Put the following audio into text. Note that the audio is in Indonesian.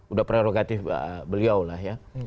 udah prerogatif beliau lah ya